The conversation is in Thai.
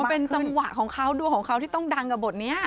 เป็นจังหวะของเขาดวงของเขาที่ต้องดังกับบทนี้